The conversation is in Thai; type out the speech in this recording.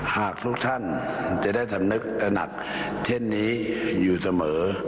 หากทุกท่านจะได้สำนึกตระหนักเช่นนี้อยู่เสมอ